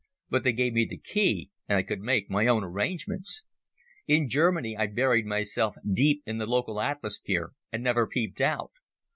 "But they gave me the key, and I could make my own arrangements. In Germany I buried myself deep in the local atmosphere and never peeped out.